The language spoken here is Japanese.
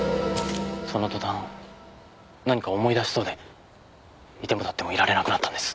その途端何か思い出しそうでいてもたってもいられなくなったんです。